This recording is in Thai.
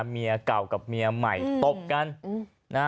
เมียเก่ากับเมียใหม่ตบกัน